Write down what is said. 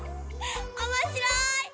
おもしろい！